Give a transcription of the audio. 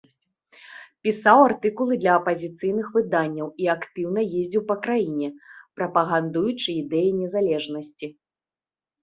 Пісаў артыкулы для апазіцыйных выданняў і актыўна ездзіў па краіне, прапагандуючы ідэі незалежнасці.